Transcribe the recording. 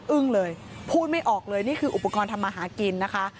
อึ้งเลยพูดไม่ออกเลยนี่คืออุปกรณ์ทำมาหากินนะคะ